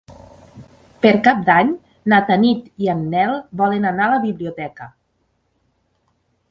Per Cap d'Any na Tanit i en Nel volen anar a la biblioteca.